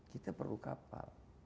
kita perlu kapal